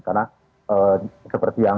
karena seperti yang